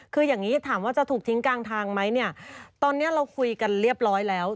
คืออย่างนี้ถามว่าจะถูกทิ้งกลางทางไหมเนี่ยตอนนี้เราคุยกันเรียบร้อยแล้ว